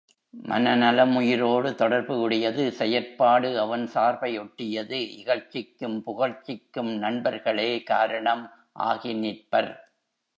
மனநலம் உயிரோடு தொடர்பு உடையது செயற்பாடு அவன் சார்பை ஒட்டியது இகழ்ச்சிக்கும் புகழ்ச்சிக்கும் நண்பர்களே காரணம் ஆகி நிற்பர்.